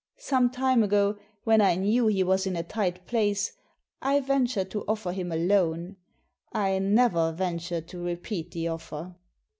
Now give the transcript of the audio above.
Some time ago, when I knew he was in a tight place, I ventured to offer him a loan, I never ventured to repeat the offer."